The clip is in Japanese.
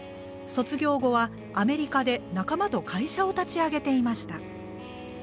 卒業後はアメリカで仲間と会社を立ち上げていました。